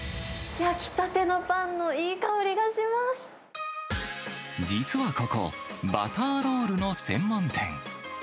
焼きたてのパンのいい香りが実はここ、バターロールの専門店。